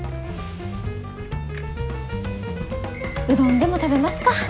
うどんでも食べますか。